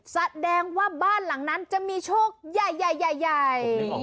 แสดงว่าบ้านหลังนั้นจะมีโชคใหญ่